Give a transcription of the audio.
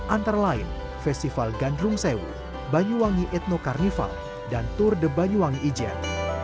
antara lain festival gandrung sewu banyuwangi etno carnival dan tour de banyuwangi ijen